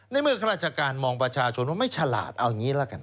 ในเมื่อข้าราชการมองประชาชนว่าไม่ฉลาดเอาอย่างนี้ละกัน